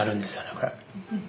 これ。